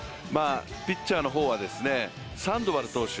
ピッチャーの方は、サンドバル投手。